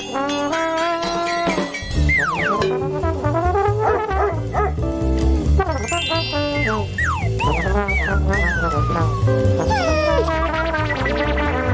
โปรดติดตามตอนต่อไป